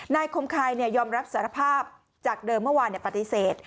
คมคายยอมรับสารภาพจากเดิมเมื่อวานปฏิเสธ